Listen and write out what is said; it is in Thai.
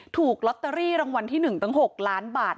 ถูกลอตเตอรี่รางวัลที่๑ตั้ง๖ล้านบาท